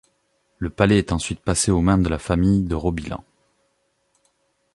Le palais est ensuite passé aux mains de la famille De Robilant.